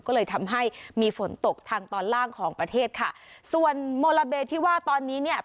ก็เลยทำให้มีฝนตกทางตอนล่างของประเทศค่ะส่วนโมลาเบที่ว่าตอนนี้เนี่ย